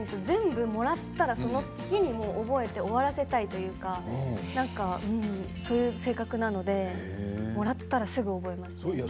全部、もらったらその日に覚えて終わらせたいというかそういう性格なのでもらったらすぐ覚えますね。